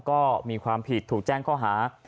ก็มีความผิดถูกแจ้งข้อหา